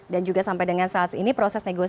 dan juga sampai dengan saat ini proses negosiasi